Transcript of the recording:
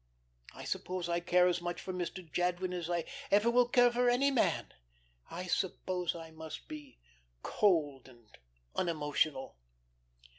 I suppose I care as much for Mr. Jadwin as I ever will care for any man. I suppose I must be cold and unemotional."